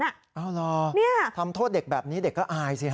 เอาเหรอทำโทษเด็กแบบนี้เด็กก็อายสิฮะ